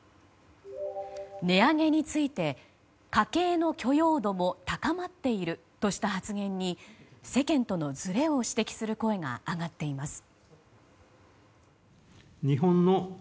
値上げについて家計の許容度も高まっているとした発言に世間とのずれを指摘する声が上がっています。